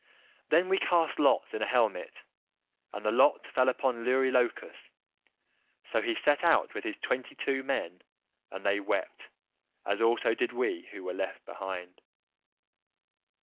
Then we cast lots in a helmet, and the lot fell upon Eurylochus; so he set out with his twenty two men, and they wept, as also did we who were left behind.